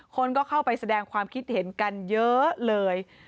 คนก็เข้าไปแสดงความคิดเห็นกันเยอะเลย